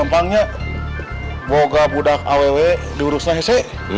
gampangnya moga budak awewe diurusinnya sih